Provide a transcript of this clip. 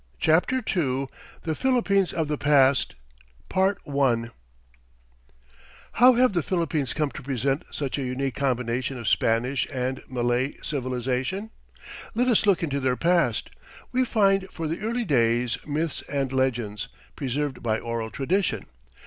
CHAPTER II THE PHILIPPINES OF THE PAST How have the Philippines come to present such a unique combination of Spanish and Malay civilization? Let us look into their past. We find for the early days myths and legends, preserved by oral tradition.